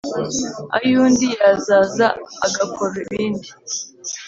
ay’undi yazaza agakora ibindi.